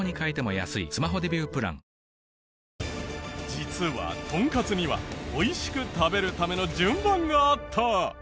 実はトンカツには美味しく食べるための順番があった。